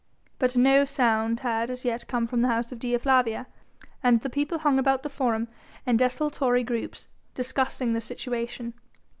But no sound had as yet come from the house of Dea Flavia, and the people hung about the Forum in desultory groups, discussing the situation.